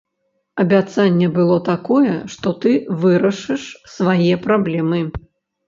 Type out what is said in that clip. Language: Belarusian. Абяцанне было такое, што ты вырашыш свае праблемы.